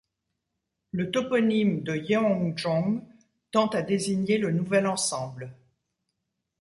Le toponyme de Yeongjong tend à désigner le nouvel ensemble.